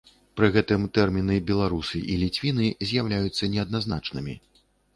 Пры гэтым тэрміны беларусы і ліцвіны з'яўляюцца неадназначнымі.